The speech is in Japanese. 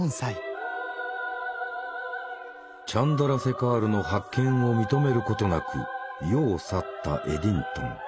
チャンドラセカールの発見を認めることなく世を去ったエディントン。